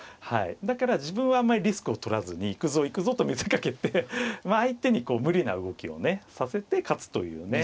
だから自分はあんまりリスクを取らずに行くぞ行くぞと見せかけて相手にこう無理な動きをねさせて勝つというね。